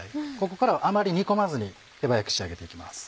ここからはあまり煮込まずに手早く仕上げて行きます。